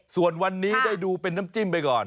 ส่วนวันนี้ได้ดูเป็นน้ำจิ้มไปก่อน